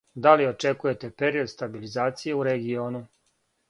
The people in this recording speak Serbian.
Да ли очекујете период стабилизације у региону?